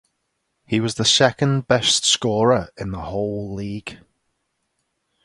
He was the second best scorer in the whole league.